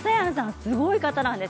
すごい方なんです。